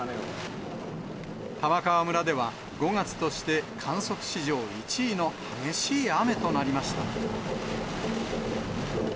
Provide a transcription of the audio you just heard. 玉川村では、５月として観測史上１位の激しい雨となりました。